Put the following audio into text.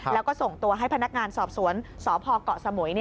แล้วก็ส่งตัวให้พนักงานสอบสวนสพเกาะสมุย